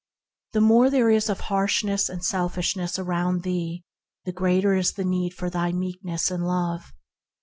The more there is of harsh ness and selfishness around thee the greater is the need of thy Meekness and love.